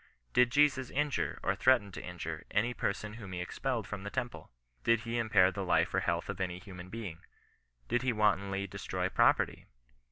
Did Jesus injure, or threaten to injure, any person whom he expelled from the temple ? Did he impair the life or health of any human being? Did he wantonly destroy property